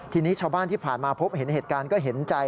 ทีนี้ชาวบ้านที่ผ่านมาพบเห็นเหตุการณ์ก็เห็นใจ